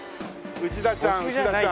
内田ちゃん内田ちゃん。